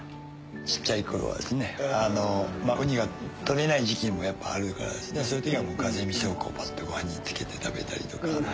小っちゃい頃はですねウニがとれない時季もやっぱあるからそういう時はもうガゼみそをパッとご飯につけて食べたりとか。